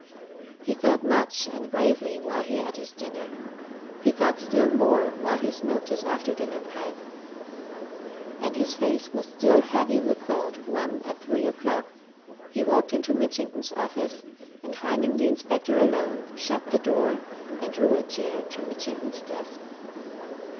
He thought much and gravely while he ate his dinner; he thought still more while he smoked his after dinner pipe. And his face was still heavy with thought when, at three o'clock, he walked into Mitchington's office and finding the inspector alone shut the door and drew a chair to Mitchington's desk.